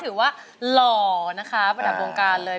ที่ถือว่าหล่อนะคะบำหรับวงการเหล่านี้